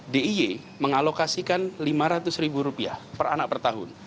d i y mengalokasikan lima ratus ribu rupiah per anak per tahun